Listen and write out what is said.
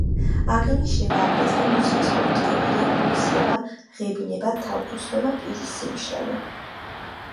აღინიშნება აგრეთვე მუცლის ყრუ ტკივილი, გულისრევა, ღებინება, თავბრუსხვევა, პირის სიმშრალე.